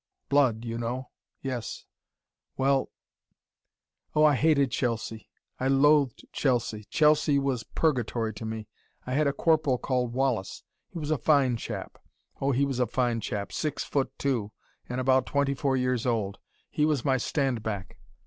Blood, you know Yes well "Oh, I hated Chelsea I loathed Chelsea Chelsea was purgatory to me. I had a corporal called Wallace he was a fine chap oh, he was a fine chap six foot two and about twenty four years old. He was my stand back.